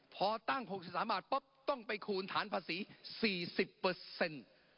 พอตั้ง๖๓บาทปุ๊บต้องไปคูณฐานภาษี๔๐เปอร์เซ็นต์